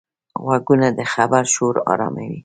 غوږونه د خبرو شور آراموي